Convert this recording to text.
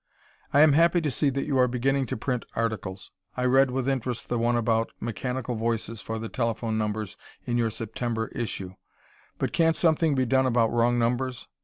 I am happy to see that you are beginning to print articles. I read with interest the one about Mechanical Voices for Telephone Numbers in your September issue. But can't something be done about wrong numbers?